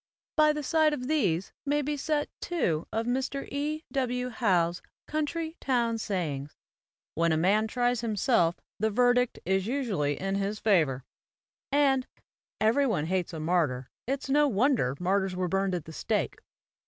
By the side of these may be set two of Mr. E. W. Howe's 'Country Town Sayings,' "When a man tries himself, the verdict is usually in his favor"; and "Every one hates a martyr; it's no wonder martyrs were burned at the stake.'